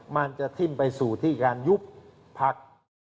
มันจะทิ้มไปสู่ที่การยุบพัก